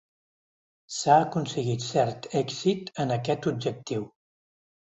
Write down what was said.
S'ha aconseguit cert èxit en aquest objectiu.